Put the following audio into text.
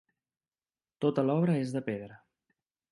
Tota l'obra és de pedra.